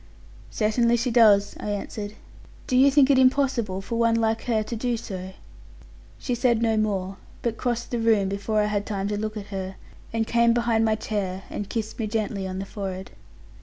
'Certainly, she does,' I answered. 'Do you think it impossible for one like her to do so?' She said no more; but crossed the room before I had time to look at her, and came behind my chair, and kissed me gently on the forehead.